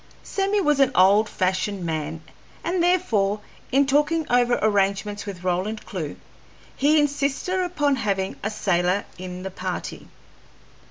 Sammy was an old fashioned man, and therefore, in talking over arrangements with Roland Clewe, he insisted upon having a sailor in the party.